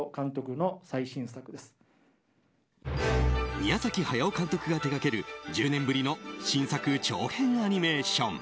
宮崎駿監督が手掛ける１０年ぶりの新作長編アニメーション。